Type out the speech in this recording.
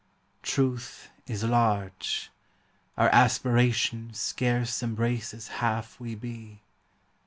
Truth is large. Our aspiration Scarce embraces half we be.